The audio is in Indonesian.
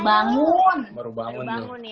bangun baru bangun tuh